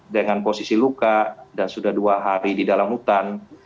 dengan posisi luka dan sudah dua hari di dalam hutan